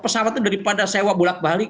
pesawat itu daripada sewa bolak balik